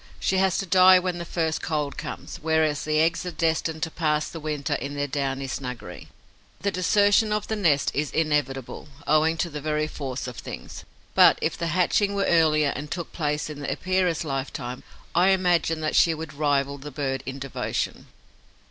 She has to die when the first cold comes, whereas the eggs are destined to pass the winter in their downy snuggery. The desertion of the nest is inevitable, owing to the very force of things. But, if the hatching were earlier and took place in the Epeira's lifetime, I imagine that she would rival the bird in devotion.